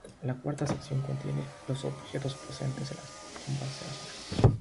La cuarta sección contiene los objetos procedentes de las tumbas de la zona.